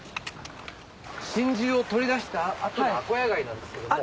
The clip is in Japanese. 真珠を取り出した後のアコヤ貝なんですけども。